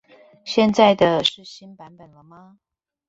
現在的是新版了嗎